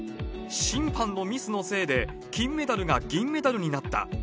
審判のミスのせいで、金メダルが銀メダルになった。